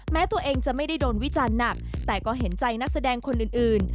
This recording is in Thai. แม้ตัวเองจะไม่ได้โดนวิจารณ์หนักแต่ก็เห็นใจนักแสดงคนอื่น